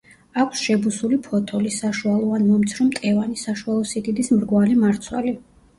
აქვს შებუსული ფოთოლი, საშუალო ან მომცრო მტევანი, საშუალო სიდიდის მრგვალი მარცვალი.